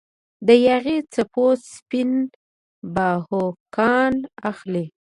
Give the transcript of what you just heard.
د یاغي څپو سپین باهوګان اخلي